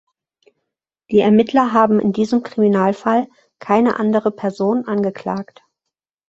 Die Ermittler haben in diesem Kriminalfall keine andere Person angeklagt.